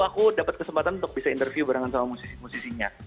aku dapet kesempatan untuk bisa interview barengan sama musisinya